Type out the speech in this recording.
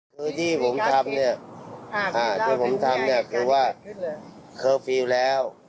คือที่ผมทำเนี่ยคือว่าเคอร์ฟิลแล้ว